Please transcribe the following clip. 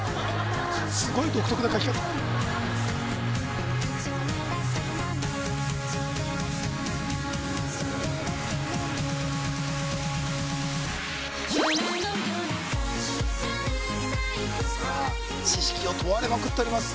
すごい独特な書き方知識を問われまくっております